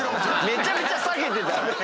めちゃめちゃ下げてた！